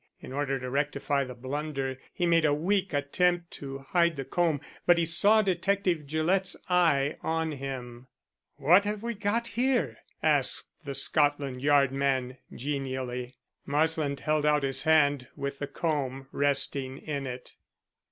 In order to rectify the blunder he made a weak attempt to hide the comb, but he saw Detective Gillett's eye on him. "What have we here?" asked the Scotland Yard man genially. Marsland held out his hand with the comb resting in it.